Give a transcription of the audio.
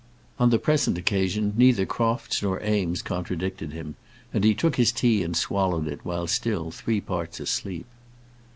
On the present occasion neither Crofts nor Eames contradicted him, and he took his tea and swallowed it while still three parts asleep.